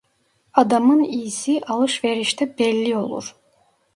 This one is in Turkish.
Adamın iyisi alışverişte belli olur.